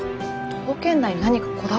徒歩圏内に何かこだわりが。